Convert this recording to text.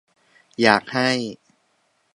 อยากให้